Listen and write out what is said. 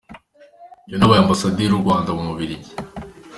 Yanabaye Ambasaderi w’u Rwanda mu Bubiligi.